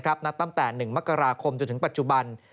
นับตั้งแต่๑มกราคมจนถึงปัจจุบัน